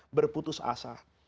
saya sudah putus asa